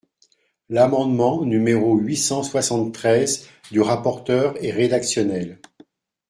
L’amendement numéro huit cent soixante-treize du rapporteur est rédactionnel.